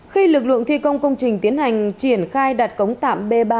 khi lực lượng thi công công trình tiến hành triển khai đặt cống tạm b ba